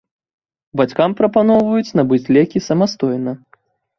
Бацькам прапаноўваюць набыць лекі самастойна.